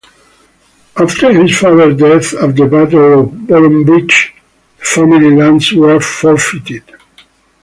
After his father's death at the Battle of Boroughbridge, the family lands were forfeited.